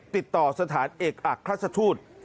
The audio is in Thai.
ติดต่อสถานเอกอักษฎุทัย